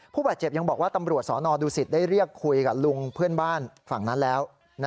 ผู้บาดเจ็บยังบอกว่าตำรวจสนดูสิตได้เรียกคุยกับลุงเพื่อนบ้านฝั่งนั้นแล้ว